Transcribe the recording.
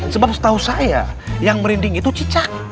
sebab setahu saya yang merinding itu cicak